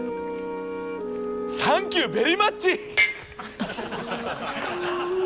サンキューベリーマッチ！